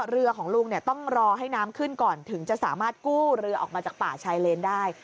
เรือของลุงเนี่ยต้องรอให้น้ำขึ้นก่อนถึงจะสามารถกู้เรือออกมาจากป่าชายเลนได้